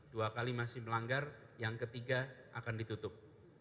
dua kali masih melanggar yang ketiga akan ditutup